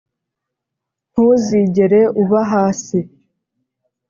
ntuzigera uba hasi.